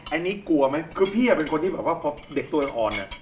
อันนี้กลัวไหมคือพี่เป็นคนเพราะเด็กตัวอันอ่อน